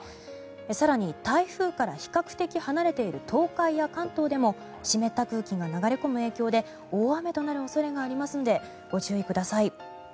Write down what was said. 更に、台風から比較的離れている東海や関東でも湿った空気が流れ込む影響で大雨となる恐れがありますのでご注意ください。